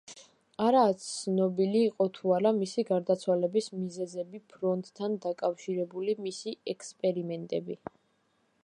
არაა ცნობილი იყო თუ არა მისი გარდაცვალების მიზეზი ფტორთან დაკავშირებული მისი ექსპერიმენტები.